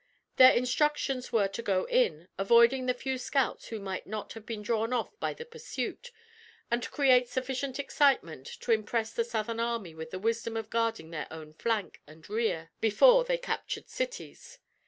Their instructions were to go in, avoiding the few scouts who might not have been drawn off by the pursuit, and create sufficient excitement to impress the Southern Army with the wisdom of guarding their own flank and rear before they captured cities.